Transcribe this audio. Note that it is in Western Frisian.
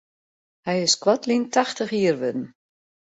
Hy is koartlyn tachtich jier wurden.